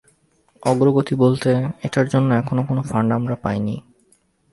অগ্রগতি বলতে এটার জন্য এখনো কোনো ফান্ড আমরা পাইনি।